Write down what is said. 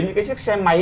những cái xe máy